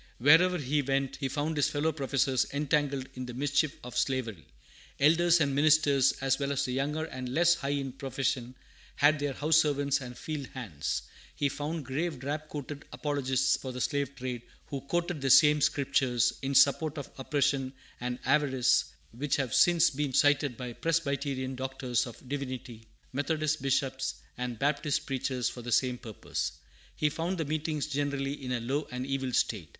Wherever he went, he found his fellow professors entangled in the mischief of slavery. Elders and ministers, as well as the younger and less high in profession, had their house servants and field hands. He found grave drab coated apologists for the slave trade, who quoted the same Scriptures, in support of oppression and avarice, which have since been cited by Presbyterian doctors of divinity, Methodist bishops; and Baptist preachers for the same purpose. He found the meetings generally in a low and evil state.